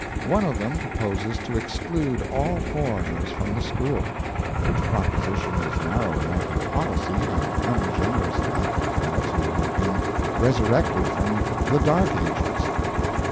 One of them proposes to exclude all foreigners from the school—which proposition is narrow enough in policy, and ungenerous enough, withal, to have been resurrected from the dark ages.